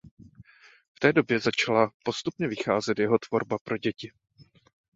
V té době začala postupně vycházet jeho tvorba pro děti.